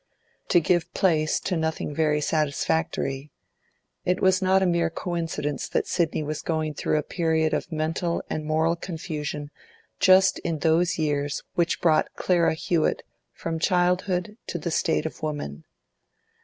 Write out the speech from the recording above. To give place to nothing very satisfactory. It was not a mere coincidence that Sidney was going through a period of mental and moral confusion just in those years which brought Clara Hewett from childhood to the state of woman.